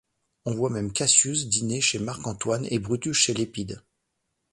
On voit même Cassius dîner chez Marc Antoine et Brutus chez Lépide.